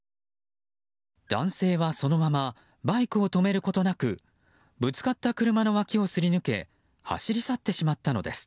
男性は、そのままバイクを止めることなくぶつかった車の脇をすり抜け走り去ってしまったのです。